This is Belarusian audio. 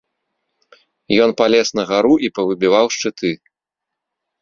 Ён палез на гару і павыбіваў шчыты.